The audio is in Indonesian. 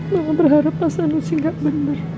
mama berharap pasan usia gak benar